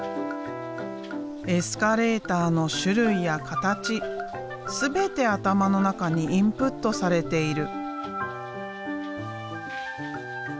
エスカレーターの種類や形全て頭の中にインプットされている。